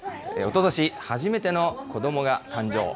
おととし、初めての子どもが誕生。